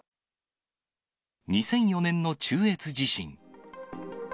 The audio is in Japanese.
２００４年の中越地震。